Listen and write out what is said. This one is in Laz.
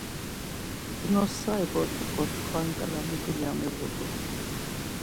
Ğnosari bort̆iǩo tkvan ǩala mu dulya miǧut̆u.